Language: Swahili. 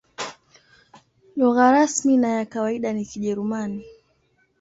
Lugha rasmi na ya kawaida ni Kijerumani.